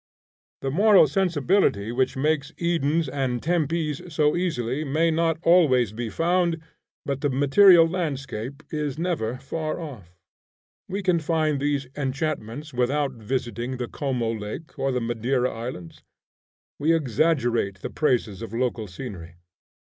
The moral sensibility which makes Edens and Tempes so easily, may not be always found, but the material landscape is never far off. We can find these enchantments without visiting the Como Lake, or the Madeira Islands. We exaggerate the praises of local scenery.